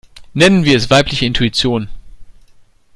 Nennen wir es weibliche Intuition.